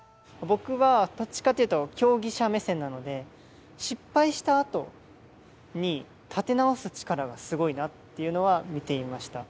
僕はどっちかっていうと、競技者目線なので、失敗したあとに立て直す力がすごいなっていうのは、見ていました。